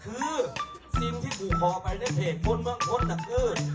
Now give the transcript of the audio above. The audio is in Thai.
คือสิ่งที่กูคอไปในเพจคนเมืองคนนะคือ